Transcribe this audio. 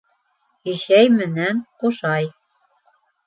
Ишәй менән Ҡушай.